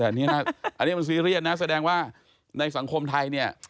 แต่อันนี้นะอันนี้มันซีเรียสนะแสดงว่าในสังคมไทยเนี่ย